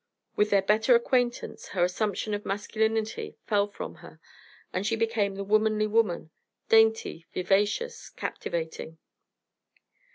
With their better acquaintance her assumption of masculinity fell from her, and she became the "womanly woman" dainty, vivacious, captivating.